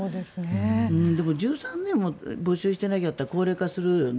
でも１３年も募集してなかったら高齢化するよね。